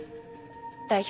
代表